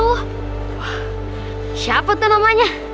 wah siapa tuh namanya